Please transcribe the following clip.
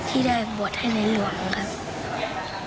ที่ได้บวชให้ในหลวงครับ